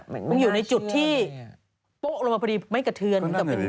มันอยู่ในจุดที่โป๊ะลงมาพอดีไม่กระเทือน